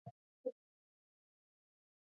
په افغانستان کې د د اوبو سرچینې منابع شته.